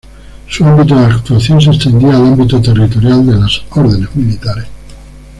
Su ámbito de actuación se extendía al ámbito territorial de las Órdenes Militares.